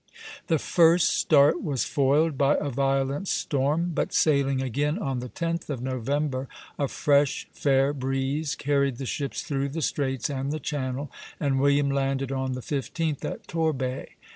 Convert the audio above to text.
The first start was foiled by a violent storm; but sailing again on the 10th of November, a fresh, fair breeze carried the ships through the Straits and the Channel, and William landed on the 15th at Torbay.